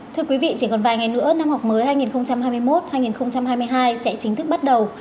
thưa quý vị chỉ còn vài ngày nữa năm học mới hai nghìn hai mươi một hai nghìn hai mươi hai sẽ chính thức bắt đầu